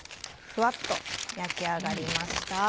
ふわっと焼き上がりました。